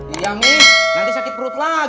iya mi nanti sakit perut lagi